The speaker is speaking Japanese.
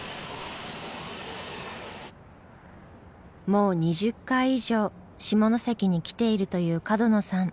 もう２０回以上下関に来ているという角野さん。